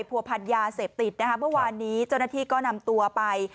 ผัวพันยาเสพติดนะคะเมื่อวานนี้เจ้าหน้าที่ก็นำตัวไป